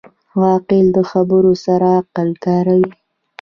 عاقل د خبرو سره عقل کاروي.